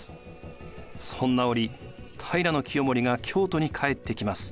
そんな折平清盛が京都に帰ってきます。